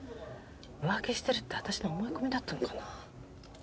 浮気してるって私の思い込みだったのかな。